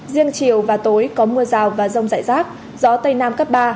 riêng chiều và tối có mưa rào và rông rải rác gió tây nam cấp ba